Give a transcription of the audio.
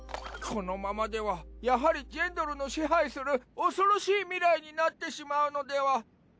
このままではやはりジェンドルの支配する恐ろしい未来になってしまうのでは。